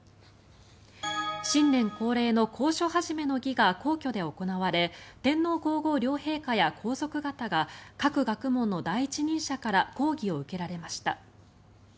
新年恒例の講書始の儀が皇居で行われ天皇・皇后両陛下や皇族方が各学問の第一人者から講義を受けられました。